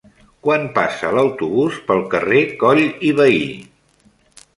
Quan passa l'autobús pel carrer Coll i Vehí?